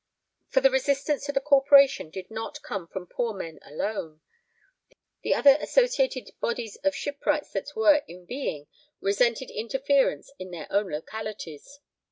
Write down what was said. For the resistance to the Corporation did not come from 'poor men' alone. The other associated bodies of shipwrights that were in being resented interference in their own localities.